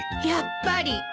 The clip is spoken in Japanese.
やっぱり。